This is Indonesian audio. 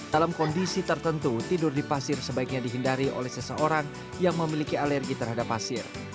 dalam kondisi tertentu tidur di pasir sebaiknya dihindari oleh seseorang yang memiliki alergi terhadap pasir